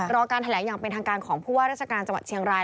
การแถลงอย่างเป็นทางการของผู้ว่าราชการจังหวัดเชียงราย